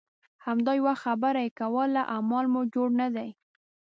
همدا یوه خبره یې کوله اعمال مو جوړ نه دي.